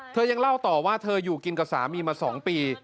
ยังเล่าต่อว่าเธออยู่กินกับสามีมา๒ปี